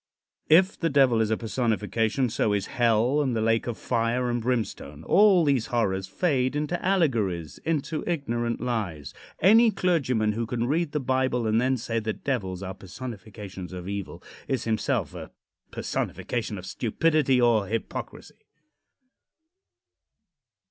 If the Devil is a personification, so is hell and the lake of fire and brimstone. All these horrors fade into allegories; into ignorant lies. Any clergyman who can read the Bible and then say that devils are personifications of evil is himself a personification of stupidity or hypocrisy.